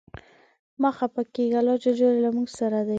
مه خپه کیږه ، الله ج له مونږ سره دی.